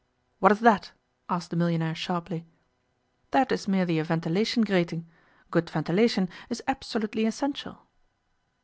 'What is that?' asked the millionaire sharply. 'That is merely a ventilation grating. Good ventilation is absolutely essential.